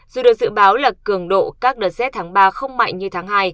dù được dự báo là cường độ các đợt rét tháng ba không mạnh như tháng hai